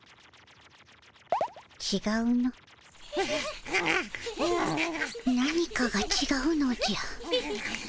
ちがうの何かがちがうのじゃ。